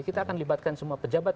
kita akan libatkan semua pejabat